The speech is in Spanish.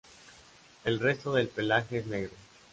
El resto del pelaje es negro.